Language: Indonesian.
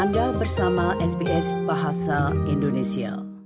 anda bersama sbs bahasa indonesia